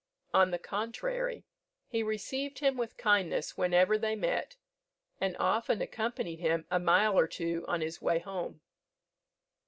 On the contrary he received him with kindness whenever they met, and often accompanied him a mile or two on his way home.